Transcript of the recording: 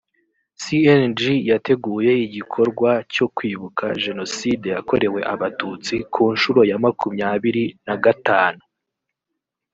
cng yateguye igikorwa cyo kwibuka jenocide yakorewe abatutsi ku nshuro ya makumyabiri na gatanu